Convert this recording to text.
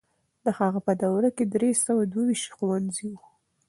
د هغه په دوره کې درې سوه دوه ويشت ښوونځي وو.